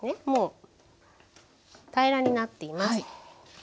もう平らになっています。